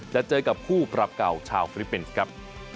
และเจอกับผู้ประปเก่าชาวฟริกเป็นส์ครับ